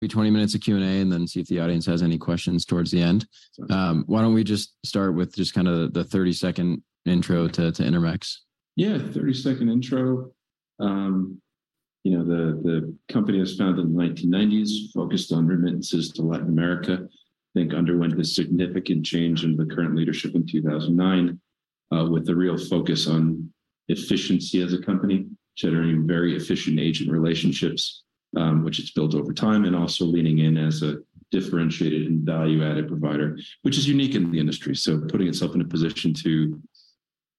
maybe 20 minutes of Q&A, and then see if the audience has any questions towards the end. Sounds good. Why don't we just start with just kind of the, the 30 second intro to, to Intermex? Yeah, 30 second intro. You know, the, the company was founded in the 1990s, focused on remittances to Latin America. I think underwent a significant change in the current leadership in 2009, with the real focus on efficiency as a company, generating very efficient agent relationships, which it's built over time, and also leaning in as a differentiated and value-added provider, which is unique in the industry. So putting itself in a position to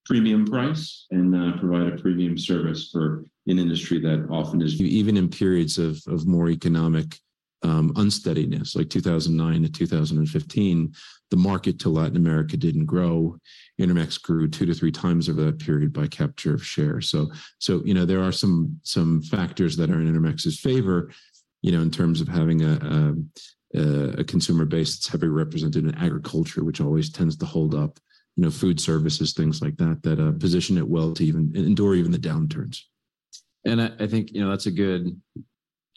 premium price and provide a premium service for an industry that often is- Even in periods of, of more economic unsteadiness, like 2009-2015, the market to Latin America didn't grow. Intermex grew two to three times over that period by capture of share. you know, there are some, some factors that are in Intermex's favor, you know, in terms of having a, a, a consumer base that's heavily represented in agriculture, which always tends to hold up, you know, food services, things like that, that, position it well to endure even the downturns. I, I think, you know, that's a good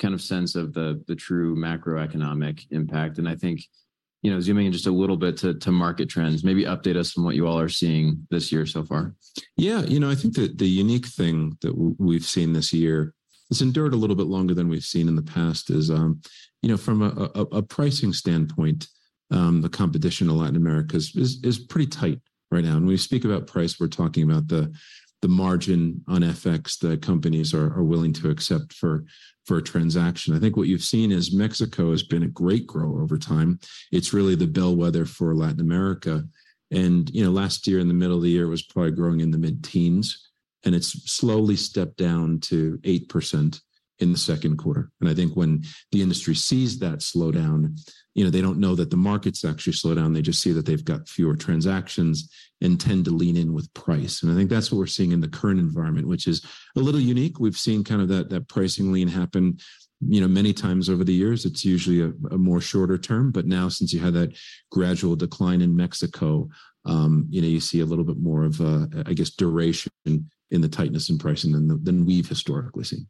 kind of sense of the, the true macroeconomic impact, and I think, you know, zooming in just a little bit to, to market trends, maybe update us on what you all are seeing this year so far. Yeah, you know, I think the, the unique thing that we've seen this year, it's endured a little bit longer than we've seen in the past, is, you know, from a, a, a pricing standpoint, the competition to Latin America is, is, is pretty tight right now. When we speak about price, we're talking about the, the margin on FX that companies are, are willing to accept for, for a transaction. I think what you've seen is Mexico has been a great grow over time. It's really the bellwether for Latin America, and, you know, last year in the middle of the year, it was probably growing in the mid-teens, and it's slowly stepped down to 8% in the second quarter. I think when the industry sees that slowdown, you know, they don't know that the market's actually slowed down. They just see that they've got fewer transactions and tend to lean in with price, and I think that's what we're seeing in the current environment, which is a little unique. We've seen kind of that, that pricing lean happen, you know, many times over the years. It's usually a, a more shorter term, but now, since you have that gradual decline in Mexico, you know, you see a little bit more of a, I guess, duration in the tightness in pricing than than we've historically seen.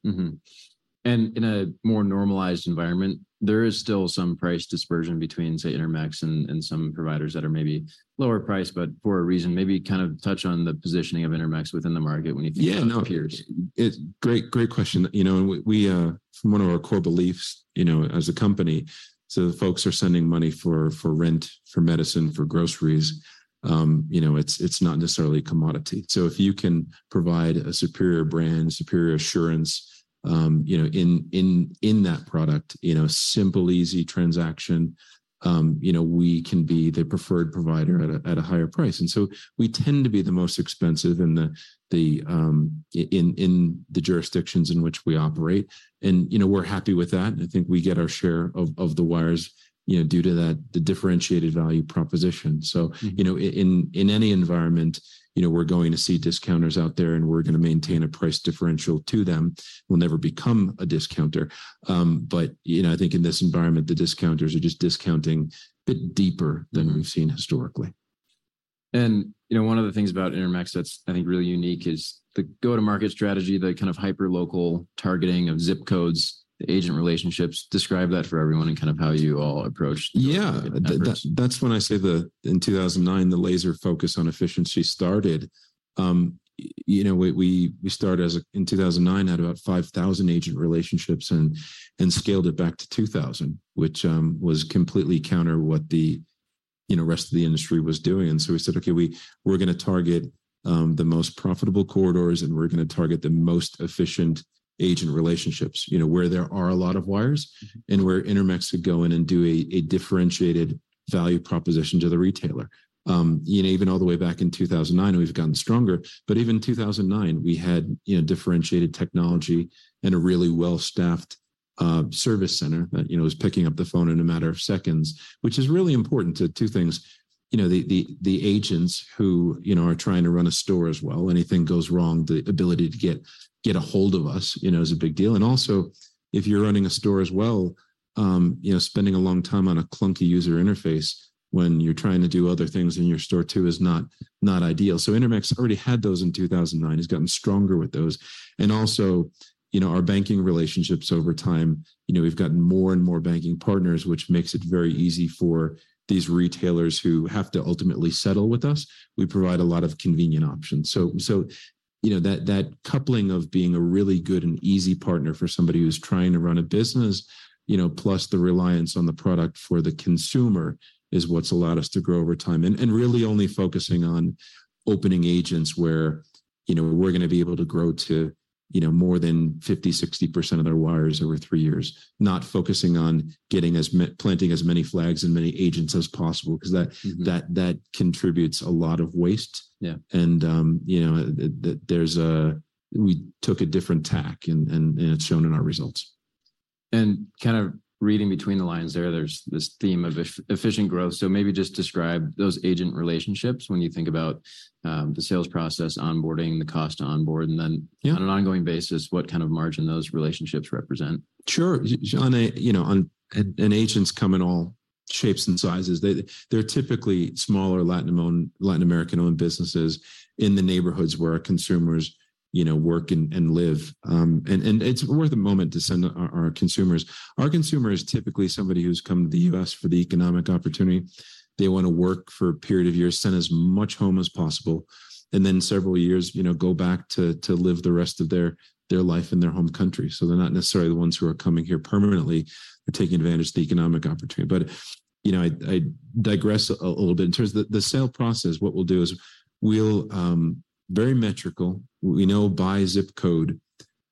Mm-hmm. In a more normalized environment, there is still some price dispersion between, say, Intermex and, and some providers that are maybe lower price, but for a reason. Maybe kind of touch on the positioning of Intermex within the market when you think... Yeah, no. -of peers. Great, great question. You know, we, we, one of our core beliefs, you know, as a company, so the folks are sending money for, for rent, for medicine, for groceries, you know, it's, it's not necessarily a commodity. If you can provide a superior brand, superior assurance, you know, in, in, in that product, you know, simple, easy transaction, you know, we can be the preferred provider at a, at a higher price. We tend to be the most expensive in the, the, in, in, the jurisdictions in which we operate, and, you know, we're happy with that, and I think we get our share of, of the wires, you know, due to that, the differentiated value proposition. Mm. You know, in, in, in any environment, you know, we're going to see discounters out there, and we're gonna maintain a price differential to them. We'll never become a discounter. You know, I think in this environment, the discounters are just discounting a bit deeper. Mm. Than we've seen historically. You know, one of the things about Intermex that's I think really unique is the go-to-market strategy, the kind of hyperlocal targeting of ZIP Codes, the agent relationships. Describe that for everyone and kind of how you all. Yeah. the market members. That's, that's when I say the, in 2009, the laser focus on efficiency started. You know, we started in 2009, had about 5,000 agent relationships and scaled it back to 2,000, which, was completely counter what the, you know, rest of the industry was doing. We said, "Okay, we're gonna target the most profitable corridors, and we're gonna target the most efficient agent relationships, you know, where there are a lot of wires and where Intermex could go in and do a differentiated value proposition to the retailer." You know, even all the way back in 2009, we've gotten stronger, but even 2009, we had, you know, differentiated technology and a really well-staffed service center that, you know, was picking up the phone in a matter of seconds, which is really important to two things. You know, the, the, the agents who, you know, are trying to run a store as well, anything goes wrong, the ability to get ahold of us, you know, is a big deal. Also, if you're running a store as well, you know, spending a long time on a clunky user interface when you're trying to do other things in your store, too, is not, not ideal. Intermex already had those in 2009. It's gotten stronger with those. Also, you know, our banking relationships over time, you know, we've gotten more and more banking partners, which makes it very easy for these retailers who have to ultimately settle with us. We provide a lot of convenient options. You know, that, that coupling of being a really good and easy partner for somebody who's trying to run a business, you know, plus the reliance on the product for the consumer, is what's allowed us to grow over time. Really only focusing on opening agents where, you know, we're gonna be able to grow to, you know, more than 50%-60% of their wires over three years. Not focusing on getting as planting as many flags and many agents as possible 'cause. Mm-hmm. That, that contributes a lot of waste. Yeah. You know, there's a, we took a different tack, and, and, and it's shown in our results. Kind of reading between the lines there, there's this theme of efficient growth. Maybe just describe those agent relationships when you think about, the sales process, onboarding, the cost to onboard, and then... Yeah. On an ongoing basis, what kind of margin those relationships represent? Sure. On a, you know, on, agents come in all shapes and sizes. They, they're typically smaller Latin-owned, Latin American-owned businesses in the neighborhoods where our consumers, you know, work and live. It's worth a moment to send our, our consumers. Our consumer is typically somebody who's come to the U.S. for the economic opportunity. They wanna work for a period of years, send as much home as possible, and then several years, you know, go back to live the rest of their life in their home country. They're not necessarily the ones who are coming here permanently and taking advantage of the economic opportunity. You know, I digress a little bit. In terms of the, the sale process, what we'll do is we'll, very metrical, we know by ZIP Code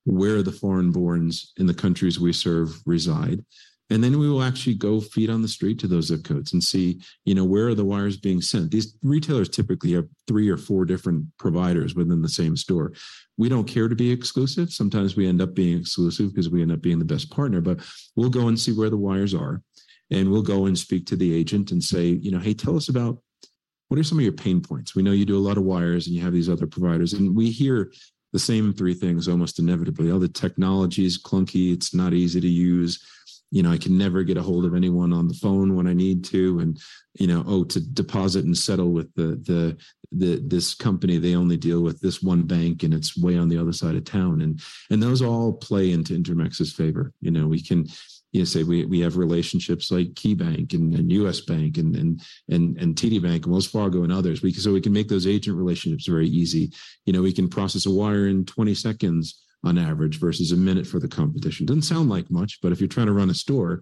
where the foreign-borns in the countries we serve reside, and then we will actually go feet on the street to those ZIP Codes and see, you know, where are the wires being sent? These retailers typically have three or four different providers within the same store. We don't care to be exclusive. Sometimes we end up being exclusive 'cause we end up being the best partner, but we'll go and see where the wires are, and we'll go and speak to the agent and say, you know, "Hey, tell us about what are some of your pain points? We know you do a lot of wires, and you have these other providers." We hear the same three things almost inevitably. "Oh, the technology is clunky. It's not easy to use. You know, I can never get ahold of anyone on the phone when I need to, and, you know, oh, to deposit and settle with this company, they only deal with this one bank, and it's way on the other side of town. Those all play into Intermex's favor. You know, we can, you know, say we, we have relationships like KeyBank and U.S. Bank and TD Bank and Wells Fargo and others, because so we can make those agent relationships very easy. You know, we can process a wire in 20 seconds on average versus one minute for the competition. Doesn't sound like much, but if you're trying to run a store,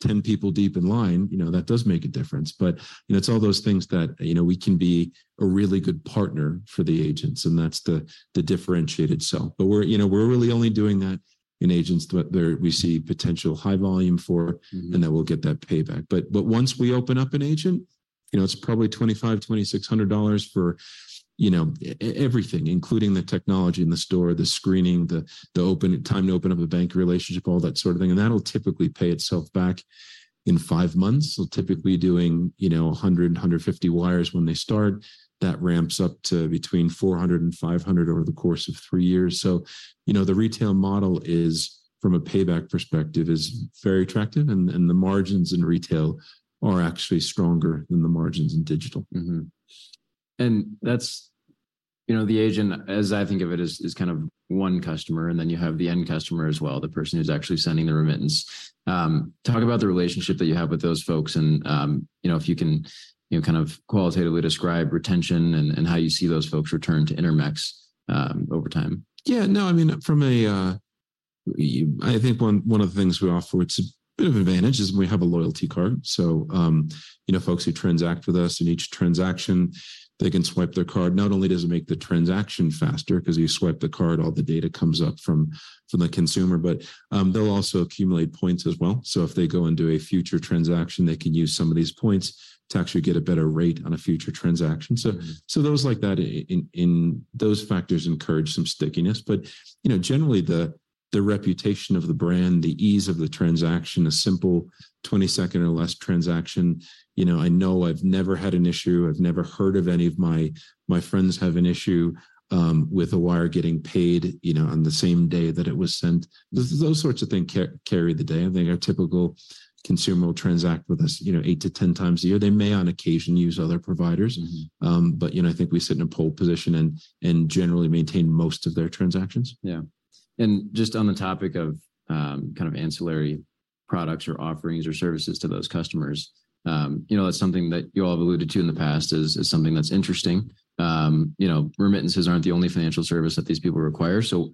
10 people deep in line, you know, that does make a difference. You know, it's all those things that, you know, we can be a really good partner for the agents, and that's the, the differentiated sell. We're, you know, we're really only doing that in agents that there we see potential high volume for. Mm-hmm. That we'll get that payback. But once we open up an agent, you know, it's probably $2,500-$2,600 for, you know, everything, including the technology in the store, the screening, the, the open, time to open up a bank relationship, all that sort of thing, and that'll typically pay itself back in five months. Typically doing, you know, 100-150 wires when they start. That ramps up to between 400 and 500 over the course of three years. You know, the retail model is, from a payback perspective, is very attractive, and, and the margins in retail are actually stronger than the margins in digital. That's, you know, the agent, as I think of it, is, is kind of one customer, and then you have the end customer as well, the person who's actually sending the remittance. Talk about the relationship that you have with those folks and, you know, if you can, you know, kind of qualitatively describe retention and, and how you see those folks return to Intermex over time. Yeah, no, I mean, from a... I think one, one of the things we offer, it's a bit of advantage, is we have a loyalty card. You know, folks who transact with us, in each transaction, they can swipe their card. Not only does it make the transaction faster, 'cause you swipe the card, all the data comes up from, from the consumer, but, they'll also accumulate points as well. If they go and do a future transaction, they can use some of these points to actually get a better rate on a future transaction. Mm. So those like that in those factors encourage some stickiness. You know, generally, the, the reputation of the brand, the ease of the transaction, a simple 20 second or less transaction. You know, I know I've never had an issue, I've never heard of any of my, my friends have an issue, with a wire getting paid, you know, on the same day that it was sent. Those sorts of things carry the day. I think our typical consumer will transact with us, you know, eight to 10 times a year. They may, on occasion, use other providers. Mm-hmm. You know, I think we sit in a pole position and, and generally maintain most of their transactions. Yeah. Just on the topic of, kind of ancillary products or offerings or services to those customers, you know, that's something that you all have alluded to in the past as, as something that's interesting. You know, remittances aren't the only financial service that these people require, so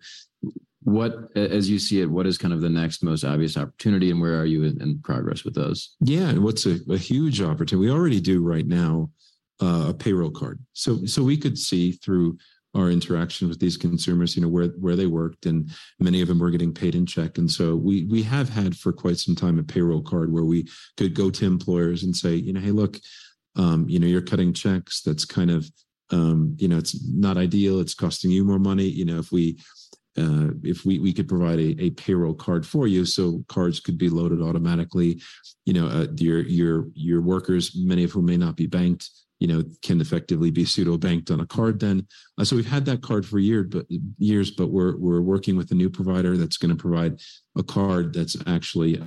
as you see it, what is kind of the next most obvious opportunity, and where are you in, in progress with those? Yeah. What's a, a huge opportunity? We already do right now, a payroll card. So we could see through our interaction with these consumers, you know, where, where they worked, and many of them were getting paid in check. So we, we have had for quite some time, a payroll card where we could go to employers and say, "You know, hey, look, you know, you're cutting checks. That's kind of, you know, it's not ideal. It's costing you more money. You know, if we, if we, we could provide a, a payroll card for you, so cards could be loaded automatically. You know, your, your, your workers, many of whom may not be banked, you know, can effectively be pseudo-banked on a card then." We've had that card for a year, but, years, but we're, we're working with a new provider that's gonna provide a card that's actually,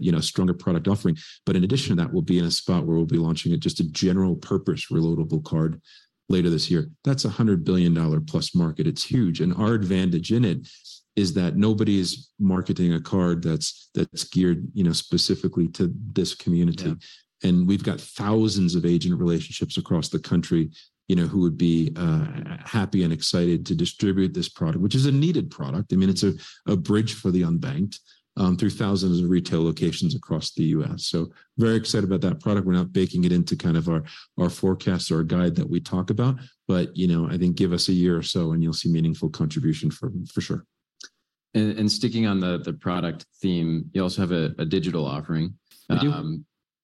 you know, stronger product offering. But in addition to that, we'll be in a spot where we'll be launching it, just a general purpose reloadable card later this year. That's a $100 billion plus market. It's huge, and our advantage in it is that nobody is marketing a card that's, that's geared, you know, specifically to this community. Yeah. We've got thousands of agent relationships across the country, you know, who would be happy and excited to distribute this product, which is a needed product. I mean, it's a bridge for the unbanked through thousands of retail locations across the U.S., Very excited about that product. We're not baking it into kind of our, our forecast or our guide that we talk about. You know, I think give us a year or so, and you'll see meaningful contribution for, for sure. And sticking on the, the product theme, you also have a, a digital offering. We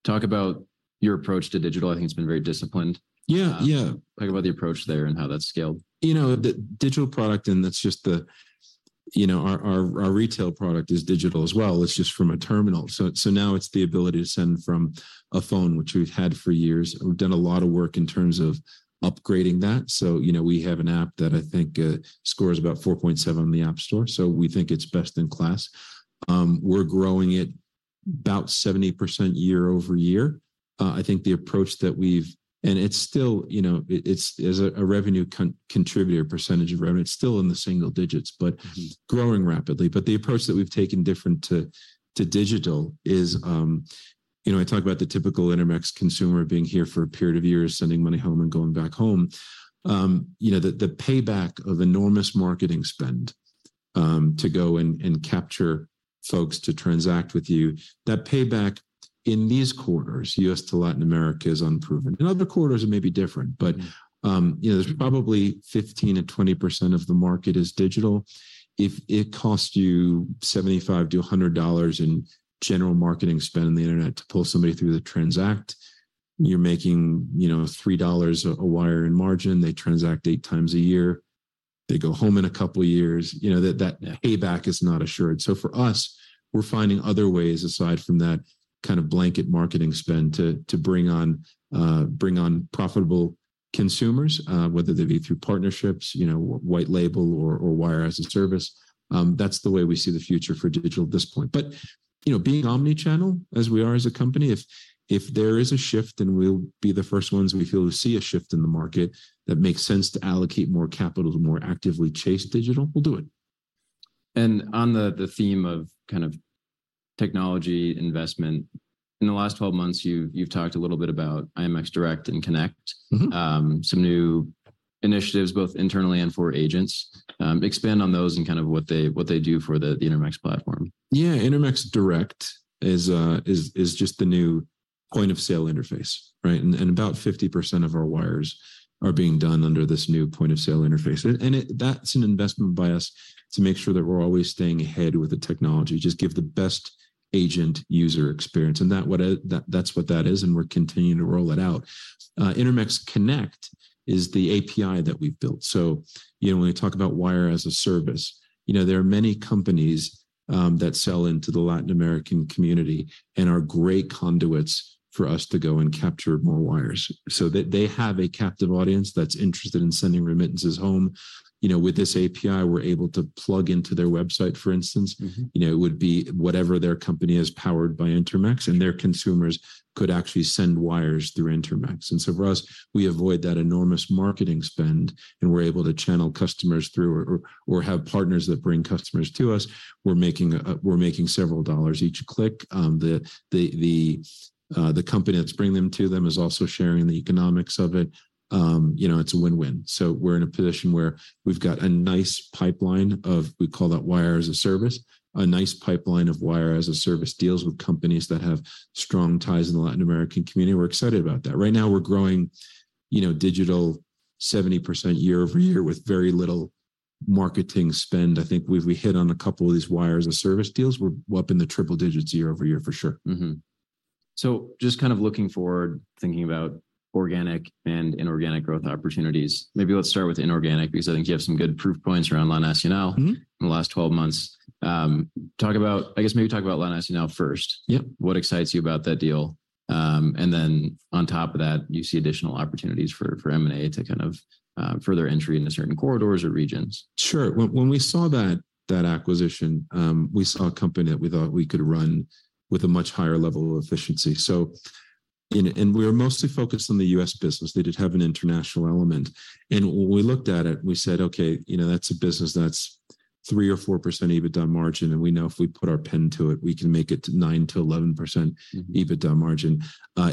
do. Talk about your approach to digital. I think it's been very disciplined. Yeah, yeah. Talk about the approach there and how that's scaled. You know, the digital product, and that's just the. You know, our, our, our retail product is digital as well. It's just from a terminal. So now it's the ability to send from a phone which we've had for years. We've done a lot of work in terms of upgrading that, so, you know, we have an app that I think scores about 4.7 on the App Store, so we think it's best-in-class. We're growing at about 70% year-over-year. I think the approach that we've. It's still, you know, it, it's, as a, a revenue contributor, percentage of revenue, it's still in the single digits. Mm-hmm. growing rapidly. The approach that we've taken different to, to digital is, you know, I talk about the typical Intermex consumer being here for a period of years, sending money home and going back home. You know, the, the payback of enormous marketing spend, to go and, and capture folks to transact with you, that payback in these corridors, U.S. to Latin America, is unproven. In other corridors it may be different. Mm. You know, there's probably 15%-20% of the market is digital. If it costs you $75-$100 in general marketing spend on the internet to pull somebody through the transact, you're making, you know, $3 a wire in margin. They transact eight times a year, they go home in a couple of years. You know, that, that payback is not assured. For us, we're finding other ways aside from that kind of blanket marketing spend to bring on profitable consumers, whether they be through partnerships, you know, white label or wire as a service. That's the way we see the future for digital at this point. You know, being omni-channel, as we are as a company, if, if there is a shift, then we'll be the first ones we feel to see a shift in the market that makes sense to allocate more capital to more actively chase digital, we'll do it. On the, the theme of kind of technology investment, in the last 12 months, you've, you've talked a little bit about IMX Direct and Connect. Mm-hmm. Some new initiatives, both internally and for agents. Expand on those and kind of what they, what they do for the, the Intermex platform. Intermex Direct is just the new point-of-sale interface, right? About 50% of our wires are being done under this new point-of-sale interface. That's an investment by us to make sure that we're always staying ahead with the technology, just give the best agent user experience, and that's what that is, and we're continuing to roll it out. Intermex Connect is the API that we've built. You know, when we talk about wire as a service, you know, there are many companies that sell into the Latin American community and are great conduits for us to go and capture more wires. They have a captive audience that's interested in sending remittances home. You know, with this API, we're able to plug into their website, for instance. Mm-hmm. You know, it would be whatever their company is, powered by Intermex. Mm. Their consumers could actually send wires through Intermex. We avoid that enormous marketing spend, and we're able to channel customers through or have partners that bring customers to us. We're making, we're making several dollars each click. The company that's bringing them to them is also sharing the economics of it. You know, it's a win-win. We're in a position where we've got a nice pipeline of... we call that wire as a service, a nice pipeline of wire as a service deals with companies that have strong ties in the Latin American community. We're excited about that. Right now, we're growing, you know, digital 70% year-over-year with very little marketing spend. I think we've, we hit on a couple of these wire as a service deals. We're up in the triple digits year-over-year, for sure. Mm-hmm. Just kind of looking forward, thinking about organic and inorganic growth opportunities, maybe let's start with inorganic, because I think you have some good proof points around La Nacional. Mm-hmm. In the last 12 months. Talk about, I guess maybe talk about La Nacional first. Yep. What excites you about that deal? Then on top of that, you see additional opportunities for, for M&A to kind of, further entry into certain corridors or regions. Sure. When, when we saw that, that acquisition, we saw a company that we thought we could run with a much higher level of efficiency. We were mostly focused on the U.S. business. They did have an international element. When we looked at it, we said: "Okay, you know, that's a business that's 3% or 4% EBITDA margin, and we know if we put our pen to it, we can make it to 9%-11%. Mm. EBITDA margin.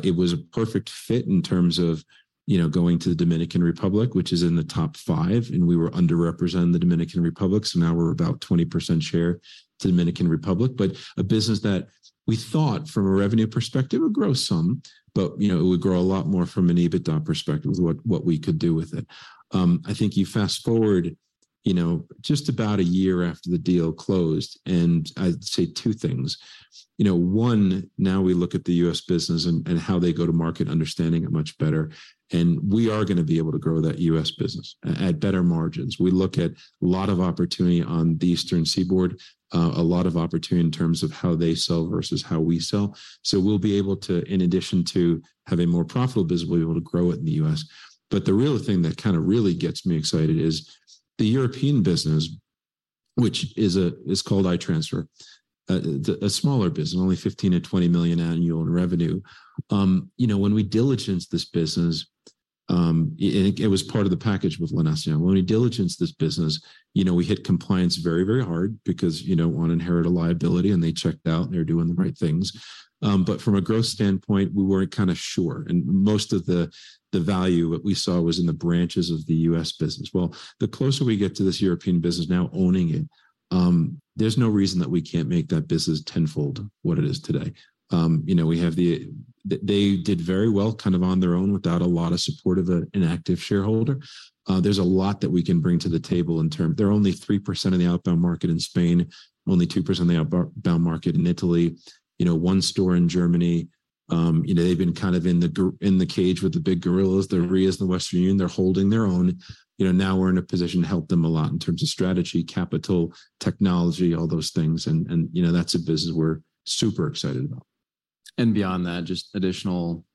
It was a perfect fit in terms of, you know, going to the Dominican Republic, which is in the top five, and we were underrepresented in the Dominican Republic, so now we're about 20% share to the Dominican Republic. A business that we thought from a revenue perspective would grow some, but, you know, it would grow a lot more from an EBITDA perspective with what, what we could do with it. I think you fast-forward, you know, just about a year after the deal closed, and I'd say two things: you know, one, now we look at the U.S. business and, and how they go to market, understanding it much better, and we are gonna be able to grow that U.S. business at better margins. We look at a lot of opportunity on the Eastern Seaboard, a lot of opportunity in terms of how they sell versus how we sell. We'll be able to, in addition to having a more profitable business, we'll be able to grow it in the U.S., The real thing that kind of really gets me excited is the European business, which is called i-transfer. A smaller business, only $15 million-$20 million annual in revenue. You know, when we diligenced this business, it was part of the package with La Nacional. When we diligenced this business, you know, we hit compliance very, very hard because, you know, wouldn't inherit a liability, and they checked out, and they're doing the right things. From a growth standpoint, we weren't kind of sure, and most of the, the value that we saw was in the branches of the U.S. business. Well, the closer we get to this European business, now owning it, there's no reason that we can't make that business tenfold what it is today. You know, we have they, they did very well kind of on their own without a lot of support of an, an active shareholder. There's a lot that we can bring to the table. They're only 3% of the outbound market in Spain, only 2% of the outbound market in Italy. You know, one store in Germany. You know, they've been kind of in the cage with the big gorillas. Mm-hmm. The Ria and the Western Union, they're holding their own. You know, now we're in a position to help them a lot in terms of strategy, capital, technology, all those things, and, and, you know, that's a business we're super excited about. Beyond that, just additional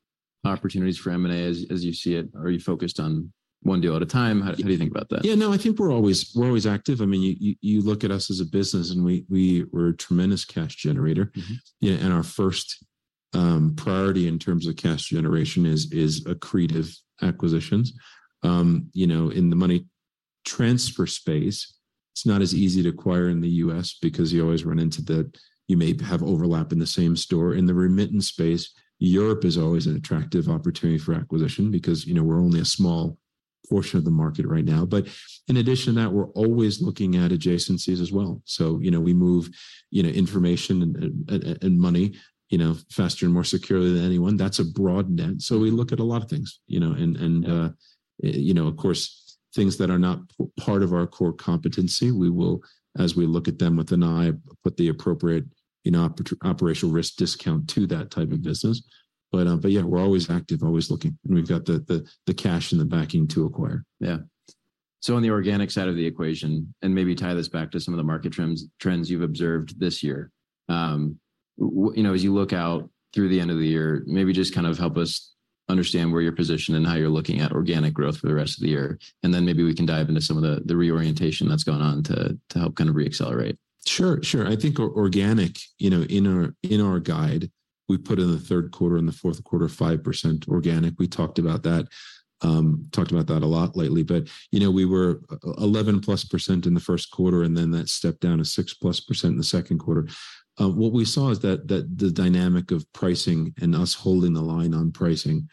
opportunities for M&A as, as you see it, or are you focused on one deal at a time? How, how do you think about that? Yeah, no, I think we're always, we're always active. I mean, you, you, you look at us as a business, and we, we, we're a tremendous cash generator. Mm-hmm. Yeah, our first priority in terms of cash generation is, is accretive acquisitions. You know, in the money transfer space, it's not as easy to acquire in the U.S. because you always run into the, you may have overlap in the same store. In the remittance space, Europe is always an attractive opportunity for acquisition because, you know, we're only a small portion of the market right now. In addition to that, we're always looking at adjacencies as well. You know, we move, you know, information and, and, and, and money, you know, faster and more securely than anyone. That's a broad net. We look at a lot of things, you know? Yeah. You know, of course, things that are not part of our core competency, we will, as we look at them with an eye, put the appropriate, you know, operational risk discount to that type of business. Yeah, we're always active, always looking, and we've got the, the, the cash and the backing to acquire. Yeah. On the organic side of the equation, maybe tie this back to some of the market trends, trends you've observed this year, you know, as you look out through the end of the year, maybe just kind of help us understand where you're positioned and how you're looking at organic growth for the rest of the year, maybe we can dive into some of the, the reorientation that's gone on to, to help kind of re-accelerate. Sure, sure. I think organic, you know, in our, in our guide, we put in the third quarter and the fourth quarter 5% organic. We talked about that, talked about that a lot lately. You know, we were 11% plus in the first quarter, and then that stepped down to 6% plus in the second quarter. What we saw is that the dynamic of pricing and us holding the line on pricing,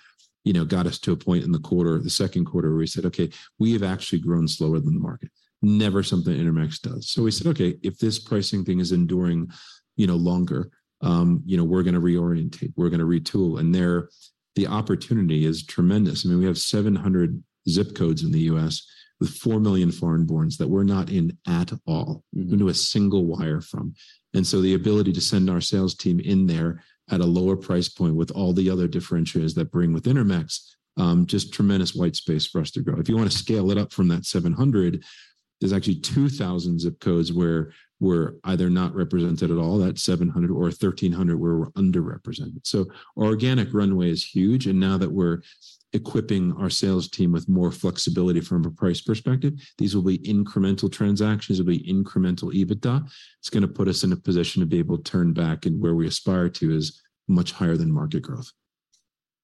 you know, got us to a point in the quarter, the second quarter, where we said, "Okay, we have actually grown slower than the market." Never something Intermex does. We said, "Okay, if this pricing thing is enduring, you know, longer, you know, we're gonna reorientate, we're gonna retool," and there the opportunity is tremendous. I mean, we have 700 ZIP Codes in the U.S. with 4 million foreignborns that we're not in at all. Mm-hmm. Into a single wire from. The ability to send our sales team in there at a lower price point with all the other differentiators that bring with Intermex, just tremendous white space for us to grow. If you want to scale it up from that 700, there's actually 2,000 ZIP Codes where we're either not represented at all, that's 700 or 1,300, where we're underrepresented. Our organic runway is huge. Now that we're equipping our sales team with more flexibility from a price perspective, these will be incremental transactions, it'll be incremental EBITDA. It's gonna put us in a position to be able to turn back. Where we aspire to is much higher than market growth.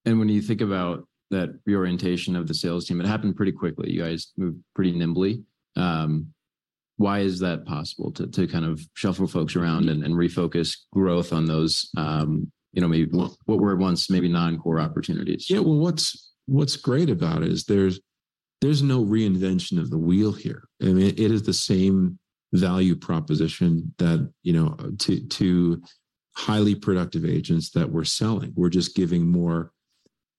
When you think about that reorientation of the sales team, it happened pretty quickly. You guys moved pretty nimbly. Why is that possible to kind of shuffle folks around and refocus growth on those, you know, maybe what were once maybe non-core opportunities? Yeah, well, what's, what's great about it is there's, there's no reinvention of the wheel here, and it, it is the same value proposition that, you know, to, to highly productive agents that we're selling. We're just giving more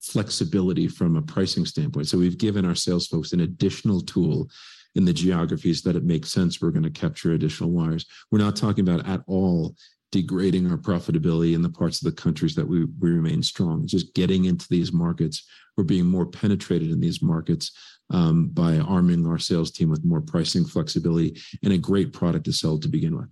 flexibility from a pricing standpoint, so we've given our sales folks an additional tool in the geographies that it makes sense we're gonna capture additional wires. We're not talking about at all degrading our profitability in the parts of the countries that we, we remain strong. Just getting into these markets or being more penetrated in these markets, by arming our sales team with more pricing flexibility and a great product to sell to begin with.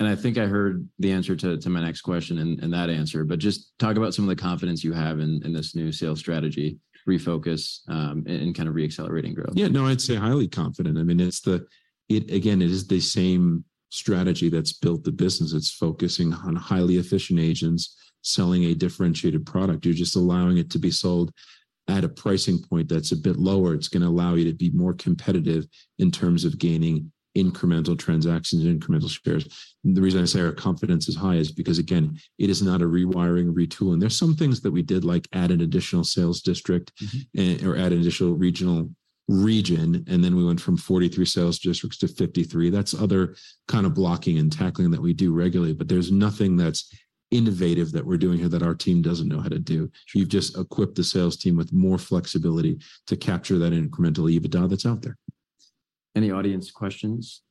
I think I heard the answer to, to my next question in, in that answer, but just talk about some of the confidence you have in, in this new sales strategy, refocus, and, and kind of re-accelerating growth. Yeah, no, I'd say highly confident. I mean, again, it is the same strategy that's built the business. It's focusing on highly efficient agents selling a differentiated product. You're just allowing it to be sold at a pricing point that's a bit lower. It's gonna allow you to be more competitive in terms of gaining incremental transactions and incremental shares. The reason I say our confidence is high is because, again, it is not a rewiring, retool, and there's some things that we did, like add an additional sales district. Mm-hmm. Or add an additional regional region, then we went from 43 sales districts to 53. That's other kind of blocking and tackling that we do regularly, but there's nothing that's innovative that we're doing here that our team doesn't know how to do. Sure. We've just equipped the sales team with more flexibility to capture that incremental EBITDA that's out there. Any audience questions?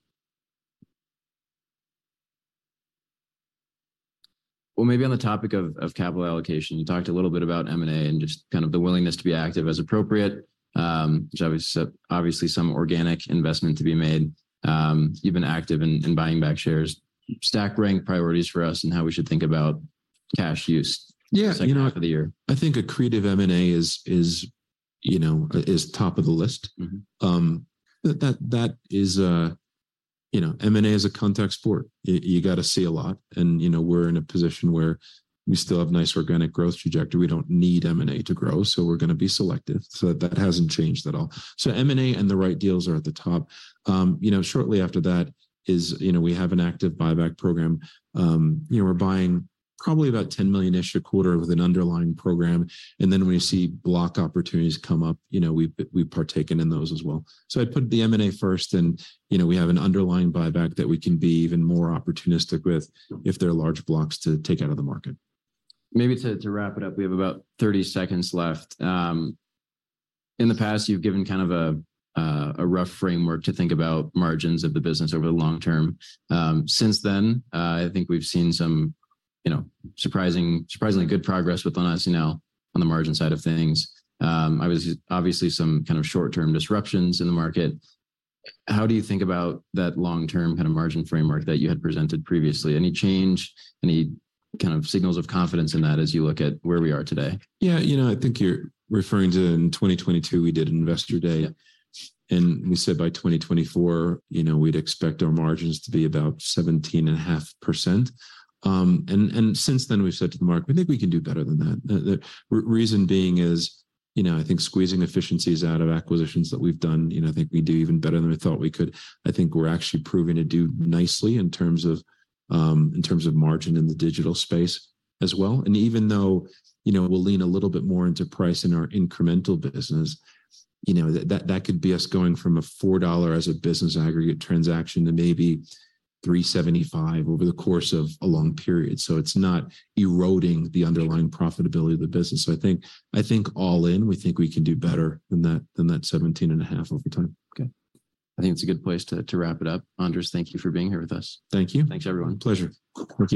Well, maybe on the topic of, of capital allocation, you talked a little bit about M&A and just kind of the willingness to be active as appropriate, which obviously obviously some organic investment to be made, you've been active in, in buying back shares. Stack rank priorities for us and how we should think about cash use? Yeah, you know. Second half of the year.... I think accretive M&A is, is, you know, is top of the list. Mm-hmm. That, that, that is, you know, M&A is a contact sport. You gotta see a lot, you know, we're in a position where we still have nice organic growth trajectory. We don't need M&A to grow, so we're gonna be selective. That hasn't changed at all. M&A and the right deals are at the top. You know, shortly after that is, you know, we have an active buyback program. You know, we're buying probably about $10 million-ish a quarter with an underlying program, when we see block opportunities come up, you know, we've partaken in those as well. I'd put the M&A first, you know, we have an underlying buyback that we can be even more opportunistic with. Sure if there are large blocks to take out of the market. Maybe to, to wrap it up, we have about 30 seconds left. In the past, you've given kind of a, a rough framework to think about margins of the business over the long term. Since then, I think we've seen some, you know, surprising, surprisingly good progress with on SNL, on the margin side of things. Obviously, obviously some kind of short-term disruptions in the market. How do you think about that long-term kind of margin framework that you had presented previously? Any change, any kind of signals of confidence in that as you look at where we are today? Yeah, you know, I think you're referring to in 2022, we did Investor Day. Yeah. We said by 2024, you know, we'd expect our margins to be about 17.5%. Since then we've said to the market: I think we can do better than that. The reason being is, you know, I think squeezing efficiencies out of acquisitions that we've done, you know, I think we do even better than we thought we could. I think we're actually proving to do nicely in terms of, in terms of margin in the digital space as well. Even though, you know, we'll lean a little bit more into price in our incremental business, you know, that, that, that could be us going from a $4 as a business aggregate transaction to maybe $3.75 over the course of a long period, so it's not eroding the underlying profitability of the business. I think, I think all in, we think we can do better than that, than that 17.5 over time. Okay. I think it's a good place to, to wrap it up. Andras, thank you for being here with us. Thank you. Thanks, everyone. Pleasure. Thank you.